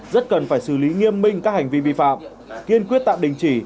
rất cần phải xử lý nghiêm minh các hành vi vi phạm kiên quyết tạm đình chỉ